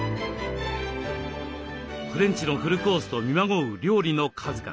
フレンチのフルコースと見まごう料理の数々。